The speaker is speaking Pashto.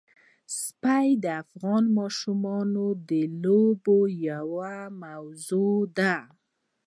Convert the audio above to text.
پسه د افغان ماشومانو د لوبو یوه موضوع ده.